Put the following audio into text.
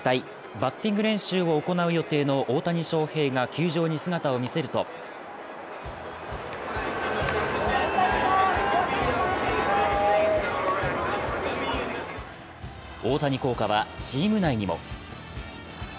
バッティング練習を行う予定の大谷翔平が球場に姿を見せると大谷効果はチーム内にも。